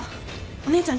お姉ちゃん。